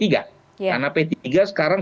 karena p tiga sekarang